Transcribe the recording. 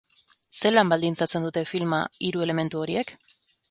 Zelan baldintzatzen dute filma hiru elementu horiek?